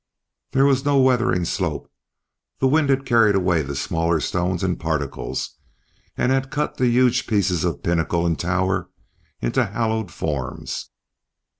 There was no weathering slope; the wind had carried away the smaller stones and particles, and had cut the huge pieces of pinnacle and tower into hollowed forms.